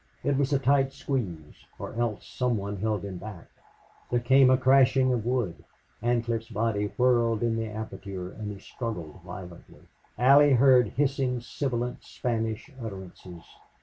It was a tight squeeze, or else some one held him back. There came a crashing of wood; Ancliffe's body whirled in the aperture and he struggled violently. Allie heard hissing, sibilant Spanish utterances.